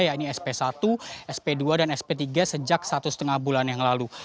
yaitu sp satu sp dua dan sp tiga sejak satu lima bulan yang lalu